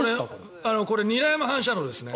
これ、韮山反射炉ですね。